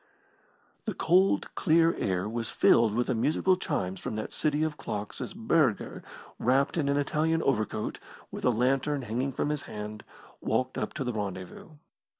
The cold, clear air was filled with the musical chimes from that city of clocks as Burger, wrapped in an Italian overcoat, with a lantern hanging from his hand, walked up to the rendezvous.